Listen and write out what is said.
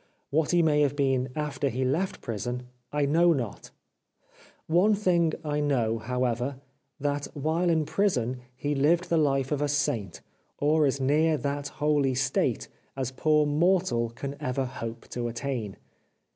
What he may have been after he left prison I know not. One thing I know, however, that while in prison he lived the life 400 The Life of Oscar Wilde of a saint, or as near that holy state as poor mortal can ever hope to attain.